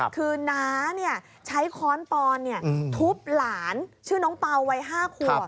คือน้าใช้ค้อนปอนทุบหลานชื่อน้องเปล่าวัย๕ขวบ